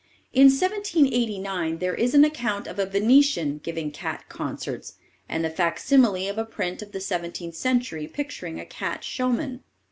In 1789 there is an account of a Venetian giving cat concerts, and the facsimile of a print of the seventeenth century picturing a cat showman.